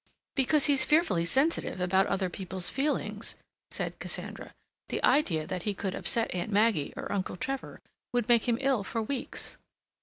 "Because he's fearfully sensitive about other people's feelings," said Cassandra. "The idea that he could upset Aunt Maggie or Uncle Trevor would make him ill for weeks."